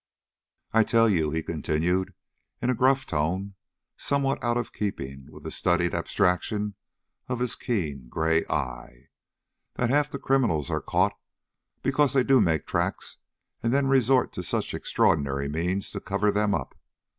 "I tell you," he continued, in a gruff tone somewhat out of keeping with the studied abstraction of his keen, gray eye, "that half the criminals are caught because they do make tracks and then resort to such extraordinary means to cover them up.